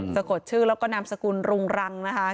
สะกดชื่อแล้วก็นามสกุลรุงรังนะคะ